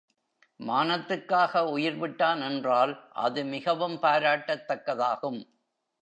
மானத்துக்காக உயிர்விட்டான் என்றால் அது மிகவும் பாராட்டத்தக்கதாகும்.